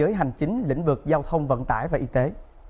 giới hành chính lĩnh vực giao thông vận tải và y tế